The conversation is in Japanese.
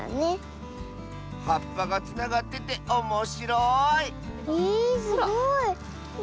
はっぱがつながってておもしろいえすごい。